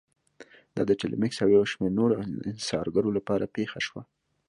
دا د ټیلمکس او یو شمېر نورو انحصارګرو لپاره پېښه شوه.